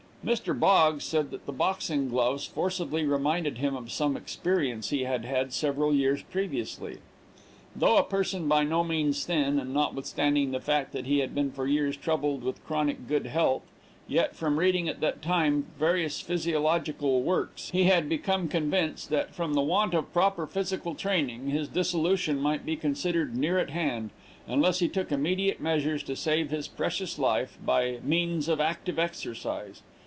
Mr. Boggs said that boxing gloves forcibly reminded him of some experience he had had several years previously. Though a person by no means thin, and notwithstanding the fact that he had been for years troubled with chronic good health, yet, from reading at that time various physiological works, he had become convinced, that from the want of proper physical training, his dissolution might be considered near at hand, unless he took immediate measures to save his precious life by means of active exercise.